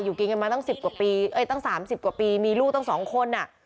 อยู่กินกันมาตั้งสิบกว่าปีเอ่ยตั้งสามสิบกว่าปีมีลูกตั้งสองคนอ่ะ